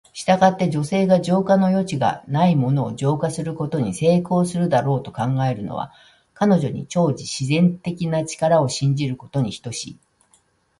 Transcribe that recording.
したがって、女性が浄化の余地がないものを浄化することに成功するだろうと考えるのは、彼女に超自然的な力を信じることに等しい。